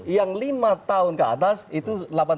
yang lima tahun ke atas itu delapan puluh tiga